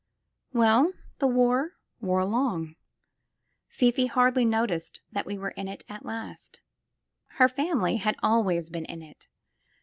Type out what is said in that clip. Well, the war wore along. Fifi hardly noticed that we were in it at last — her family had always been in it.